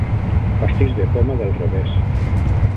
Pastís de poma del revés.